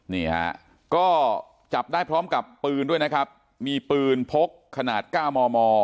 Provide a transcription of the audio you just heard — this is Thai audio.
นี่ฮะก็จับได้พร้อมกับปืนด้วยนะครับมีปืนพกขนาดเก้ามอมอ